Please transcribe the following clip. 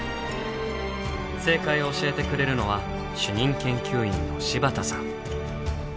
正解を教えてくれるのは主任研究員の柴田さん。